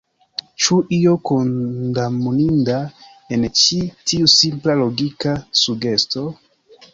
Ĉu io kondamninda en ĉi tiu simpla logika sugesto?